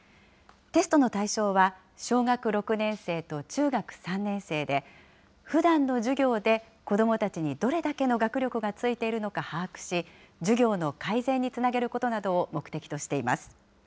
テストの対象は、小学６年生と中学３年生で、ふだんの授業で子どもたちにどれだけの学力がついているのか把握し、授業の改善につなげることなどを目的としています。